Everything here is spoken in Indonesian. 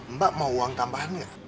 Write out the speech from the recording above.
mbak mau uang tambahan nggak